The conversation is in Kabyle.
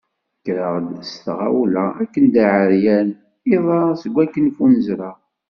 Kkreɣ-d s tɣawla akken d aεeryan iḍ-a seg akken ffunzreɣ.